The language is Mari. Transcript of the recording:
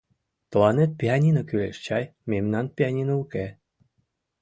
— Тыланет пианино кӱлеш чай, мемнан пианино уке.